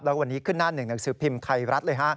แล้ววันนี้ขึ้นหน้าหนึ่งหนังสือพิมพ์ไทยรัฐเลยฮะ